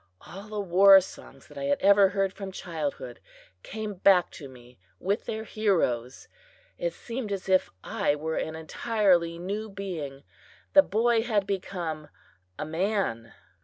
All the war songs that I had ever heard from childhood came back to me with their heroes. It seemed as if I were an entirely new being the boy had become a man!